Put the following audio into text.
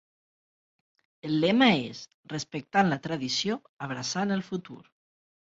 El lema és "Respectant la tradició, abraçant el futur".